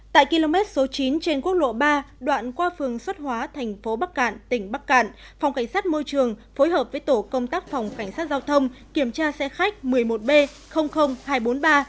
tại km số chín trên quốc lộ ba đoạn qua phường xuất hóa thành phố bắc cạn tỉnh bắc cạn phòng cảnh sát môi trường phối hợp với tổ công tác phòng cảnh sát giao thông kiểm tra xe khách một mươi một b hai trăm bốn mươi ba